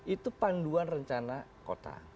itu panduan rencana kota